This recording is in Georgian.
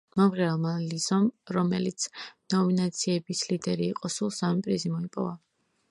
მომღერალმა ლიზომ, რომელიც ნომინაციების ლიდერი იყო, სულ სამი პრიზი მოიპოვა.